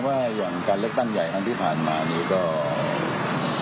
มาแต่วันนี้ไม่เที่ยวมาตัวเจมส์ประวัติเลย